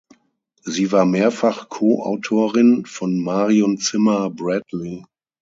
Sie war mehrfach Co-Autorin von Marion Zimmer Bradley.